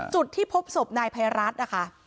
จุดที่พบศพนายภัยรัฐนะคะ